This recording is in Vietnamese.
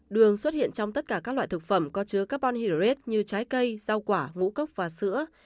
đường xuất hiện trong tất cả các loại thực phẩm có chứa carbon hyd như trái cây rau quả ngũ cốc và sữa